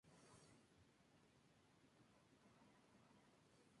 Fue una de las nueve candidatas para la canción de campaña de Hillary Clinton.